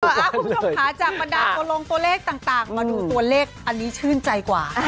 คุณผู้ชมค่ะจากบรรดาตัวลงตัวเลขต่างมาดูตัวเลขอันนี้ชื่นใจกว่า